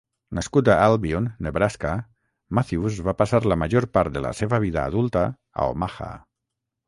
Nascut a Albion, Nebraska, Matthews va passar la major part de la seva vida adulta a Omaha.